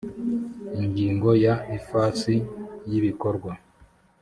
ingingo ya ifasi y ibikorwa